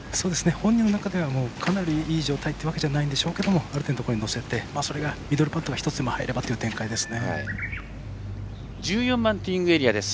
本人の中ではかなりいい状態というわけではないんでしょうけどある程度、乗せてミドルパットが１つでも入ればという展開ですね。